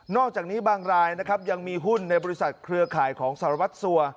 อกจากนี้บางรายนะครับยังมีหุ้นในบริษัทเครือข่ายของสารวัตรสัว